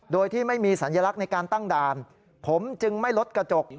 โดยที่ไม่มีสัญลักษณ์ในการตั้งด่านผมจึงไม่ลดกระจก